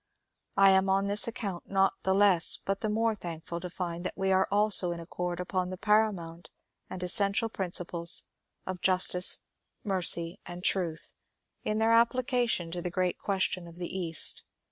I am on this account not the less but the more thankful to find that we also are in accord upon the paramount and essential princi ples of ^*' justice, mercy, and truth " in their application to the great question of the East.